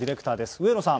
上野さん。